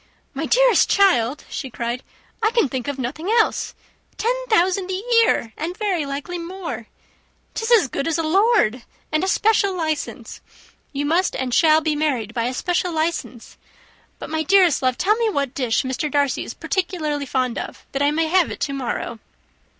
"My dearest child," she cried, "I can think of nothing else. Ten thousand a year, and very likely more! 'Tis as good as a lord! And a special licence you must and shall be married by a special licence. But, my dearest love, tell me what dish Mr. Darcy is particularly fond of, that I may have it to morrow."